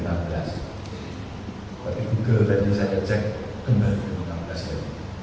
tapi juga tadi saya cek kembali enam belas ya